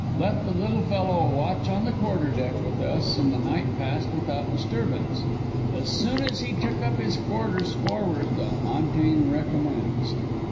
Let the little fellow watch on the quarterdeck with us and the night passed without disturbance. As soon as he took up his quarters forward the haunting recommenced.